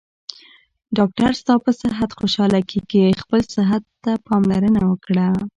ډاکټر ستاپه صحت خوشحاله کیږي خپل صحته پاملرنه وکړه